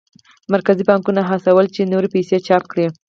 مرکزي بانکونه هڅول چې نورې پیسې چاپ کړي.